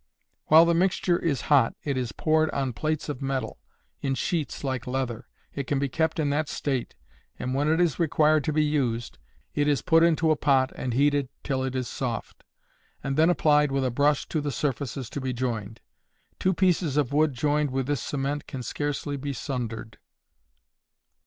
While the mixture is hot it is poured on plates of metal, in sheets like leather. It can be kept in that state, and when it is required to be used, it is put into a pot and heated till it is soft, and then applied with a brush to the surfaces to be joined. Two pieces of wood joined with this cement can scarcely be sundered.